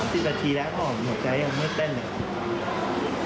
๑๘ทีและด้วยหอกข้าวหัวใจยังไม่เต้นเลย